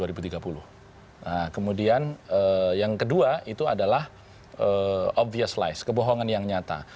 nah kemudian yang kedua itu adalah obvious lies kebohongan yang nyata